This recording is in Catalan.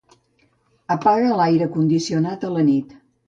Apaga l'aire condicionat a la nit.